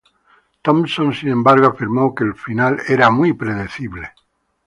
Thompson sin embargo afirmó que el final era muy predecible.